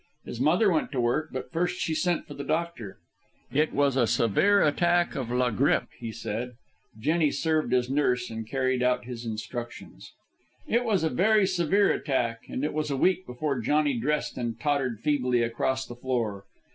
His mother went to work, but first she sent for the doctor. It was a severe attack of la grippe, he said. Jennie served as nurse and carried out his instructions. It was a very severe attack, and it was a week before Johnny dressed and tottered feebly across the floor.